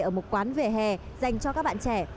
ở một quán vỉa hè dành cho các bạn trẻ